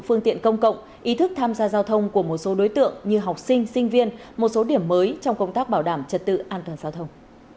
phương tiện công cộng ý thức tham gia giao thông của một số đối tượng như học sinh sinh viên một số điểm mới trong công tác bảo đảm trật tự an toàn giao thông